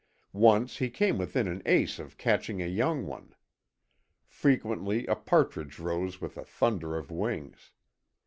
Once he came within an ace of catching a young one. Frequently a partridge rose with a thunder of wings.